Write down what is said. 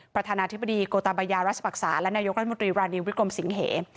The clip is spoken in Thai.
ประธานาธิบดีโกตาบายารัชปรักษาและนายกรัฐมนตรีรานิววิกรมสิงเห